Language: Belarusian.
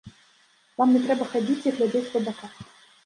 Вам не трэба хадзіць і глядзець па баках.